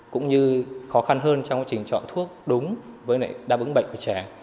cũng như khó khăn hơn trong quá trình chọn thuốc đúng với đáp ứng bệnh của trẻ